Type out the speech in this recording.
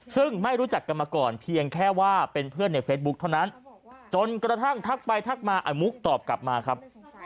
ซึ่งไม่รู้จักกันมาก่อนเพียงแค่ว่าเป็นเพื่อนในเฟซบุ๊คเท่านั้นจนกระทั่งทักไปทักมาอมุกตอบกลับมาครับ